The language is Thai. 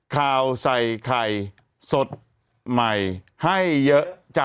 ข่าวใส่ไข่สดใหม่ให้เยอะจ้ะ